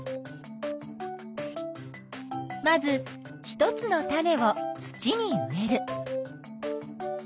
まず一つの種を土に植える。